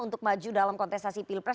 untuk maju dalam kontestasi pilpres